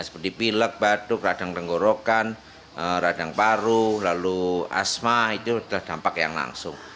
seperti pilek batuk radang tenggorokan radang paru lalu asma itu adalah dampak yang langsung